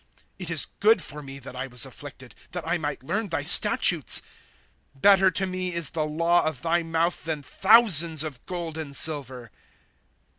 ''I It is good for me that I was afflicted, That I might learn thy statutes. "•^ Better to me is the law of thy mouth, Than thousands of gold and siiver.